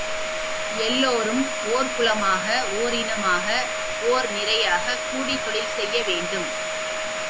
எல்லோரும் ஒர் குலமாக ஓரினமாக ஓர் நிறையாகக் கூடித் தொழில் செய்ய வேண்டும்.